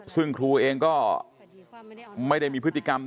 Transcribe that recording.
ซึ่งครูเองก็ไม่ได้มีพฤติกรรม